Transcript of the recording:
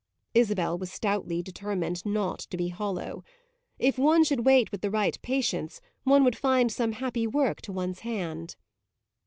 Isabel was stoutly determined not to be hollow. If one should wait with the right patience one would find some happy work to one's hand.